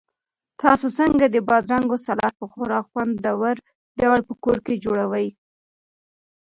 تاسو څنګه د بادرنګو سالاډ په خورا خوندور ډول په کور کې جوړوئ؟